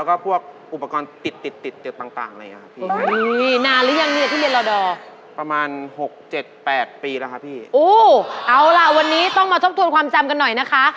เอาล่ะวันนี้ต้องมาทบทวนความจำกันหน่อยนะคะ